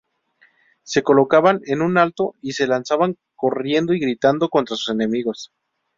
Se colocaban en un alto y se lanzaban corriendo y gritando contra sus enemigos.